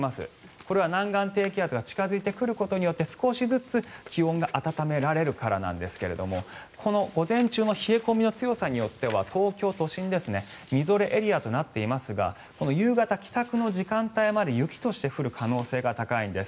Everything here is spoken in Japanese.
これは南岸低気圧が近付いてくることによって少しずつ気温が暖められるからなんですがこの午前中の冷え込みの強さによっては東京都心、みぞれエリアとなっていますが夕方、帰宅の時間帯まで雪として降る可能性が高いんです。